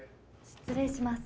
失礼します。